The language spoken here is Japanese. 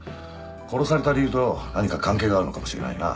殺された理由と何か関係があるのかもしれないな。